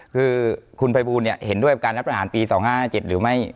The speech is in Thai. คือคุณภายบูรณ์เนี่ยเห็นด้วยการรัฐภาหารปี๒๕๕๗หรือไม่